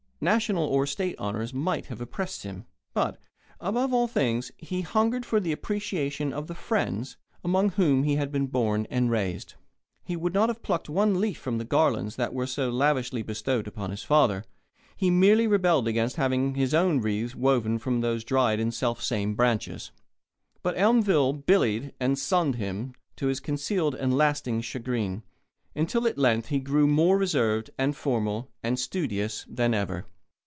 National or State honours might have oppressed him. But, above all things, he hungered for the appreciation of the friends among whom he had been born and raised. He would not have plucked one leaf from the garlands that were so lavishly bestowed upon his father, he merely rebelled against having his own wreathes woven from those dried and self same branches. But Elmville "Billied" and "sonned" him to his concealed but lasting chagrin, until at length he grew more reserved and formal and studious than ever.